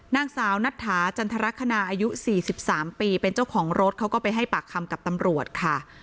นางสาวนัทธาจันทรคณาอายุ๔๓ปีเป็นเจ้าของรถเขาก็ไปให้ปากคำกับตำรวจค่ะ